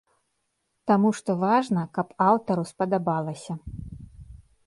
Таму што важна, каб аўтару спадабалася.